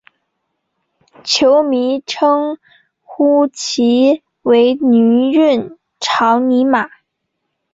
球迷称呼其为孖润肠尼马。